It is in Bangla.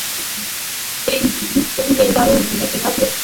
এই স্যুটটা কিনে দারুণ একটা কাজ হয়েছে।